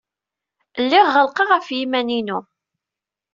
Lliɣ ɣellqeɣ ɣef yiman-inu.